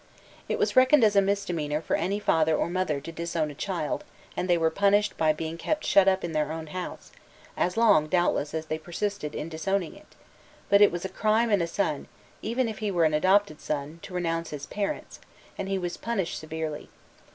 It was reckoned as a misdemeanour for any father or mother to disown a child, and they were punished by being kept shut up in their own house, as long, doubtless, as they persisted in disowning it; but it was a crime in a son, even if he were an adopted son, to renounce his parents, and he was punished severely.